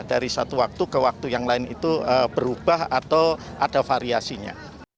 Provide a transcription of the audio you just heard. dari satu waktu ke waktu yang lain itu berubah atau ada variasinya